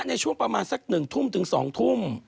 ในช่วงประมาณสัก๑ทุ่มถึง๒ทุ่ม